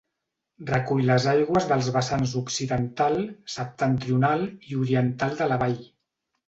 Recull les aigües dels vessants occidental, septentrional i oriental de la vall.